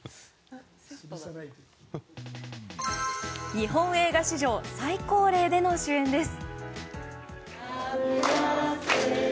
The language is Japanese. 日本映画史上最高齢での主演です。